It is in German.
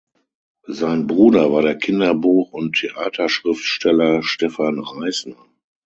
Sein Bruder war der Kinderbuch- und Theaterschriftsteller Stefan Reisner.